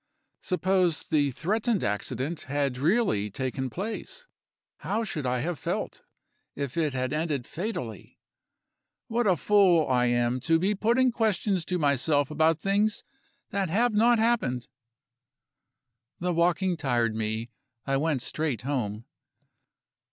Suppose the threatened accident had really taken place how should I have felt, if it had ended fatally? What a fool I am to be putting questions to myself about things that have not happened! The walking tired me; I went straight home.